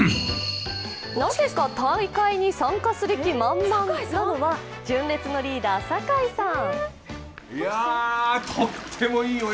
なぜか大会に参加する気満々なのが、純烈のリーダー・酒井さん。